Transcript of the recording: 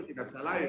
tidak bisa lain